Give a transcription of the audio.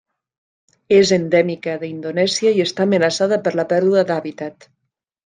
És endèmica d'Indonèsia i està amenaçada per la pèrdua d'hàbitat.